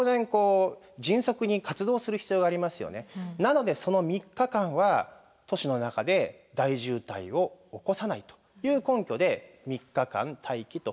なのでその３日間は都市の中で大渋滞を起こさないという根拠で３日間待機と。